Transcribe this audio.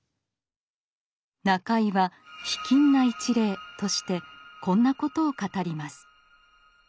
中井は「卑近な一例」としてこんなことを語ります。